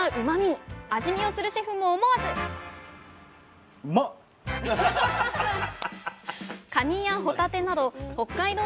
味見をするシェフも思わずカニやホタテなど北海道